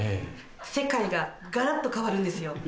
世界がガラっと変わるんですよ。